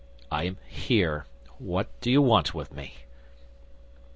I am here; what do you want with me?"